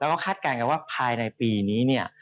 แล้วก็คาดการณ์กันว่าภายในปีนี้เนี่ย